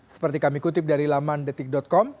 seperti kami kutip dari laman detik com